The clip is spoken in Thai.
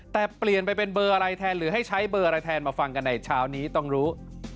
แต่เปลี่ยนไปเป็นเบอร์อะไรแทนหรือให้ใช้เบอร์อะไรแทนมาฟังกันในเช้านี้ต้องรู้